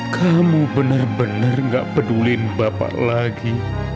kamu benar benar gak peduliin bapak lagi